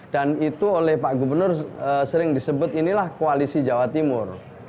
dan itu oleh pak gubernur sering disebut inilah koalisi jawa timur